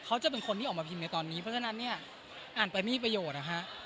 เขาจะเป็นคนที่ออกมาพิมพ์ในตอนนี้เพราะฉะนั้นเนี่ยอ่านไปไม่มีประโยชน์นะฮะ